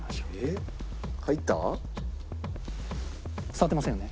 触ってませんよね？